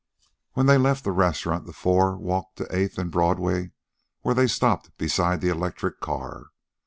When they left the restaurant, the four walked to Eighth and Broadway, where they stopped beside the electric car.